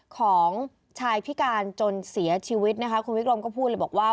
ของชายพิการจนเสียชีวิตนะคะคุณวิกรมก็พูดเลยบอกว่า